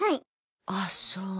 あそう。